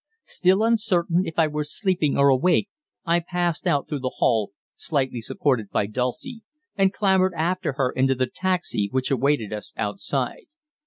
Still uncertain if I were sleeping or awake, I passed out through the hall, slightly supported by Dulcie, and clambered after her into the taxi which awaited us outside.